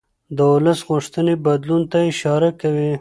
د ولس غوښتنې بدلون ته اشاره کوي